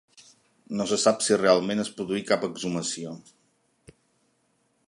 No se sap si realment es produí cap exhumació.